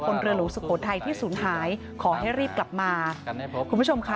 คนเรลุสุโขทัยที่สูญหายขอให้รีบกลับมาคุณผู้ชมคะ